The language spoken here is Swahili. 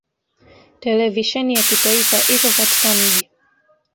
Televisheni ya kitaifa iko katika mji.